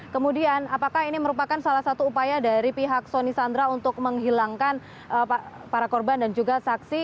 kemudian apakah ini merupakan salah satu upaya dari pihak soni sandra untuk menghilangkan para korban dan juga saksi